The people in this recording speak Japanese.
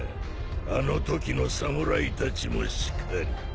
あのときの侍たちもしかり。